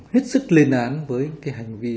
hít sức lên án với cái hành vi